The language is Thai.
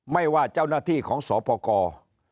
ไม่ว่าเจ้าหน้าที่ของสปกร